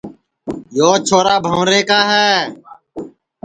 یو چھورا بھنٚورے کا ہے